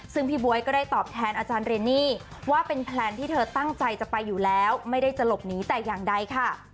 ซึ่งพี่บ๊วยก็ได้ตอบแทนอาจารย์เรนนี่ว่าเป็นแพลนที่เธอตั้งใจจะไปอยู่แล้วไม่ได้จะหลบหนีแต่อย่างใดค่ะ